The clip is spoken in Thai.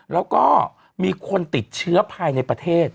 แล้วก็มีคนติดเชื้อภายในประเทศ